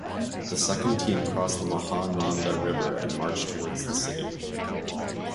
The second team crossed the Mahananda River and marched towards the city.